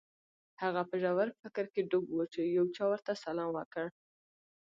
هغه په ژور فکر کې ډوب و چې یو چا ورته سلام وکړ